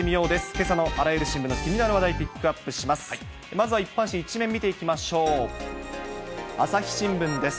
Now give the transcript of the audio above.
けさのあらゆる新聞の気になる話題、ピックアップします。